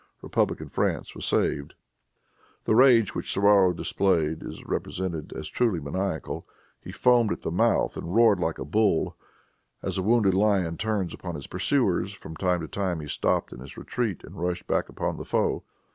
Republican France was saved. The rage which Suwarrow displayed is represented as truly maniacal. He foamed at the mouth and roared like a bull. As a wounded lion turns upon his pursuers, from time to time he stopped in his retreat, and rushed back upon the foe.